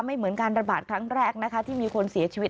เหมือนการระบาดครั้งแรกนะคะที่มีคนเสียชีวิต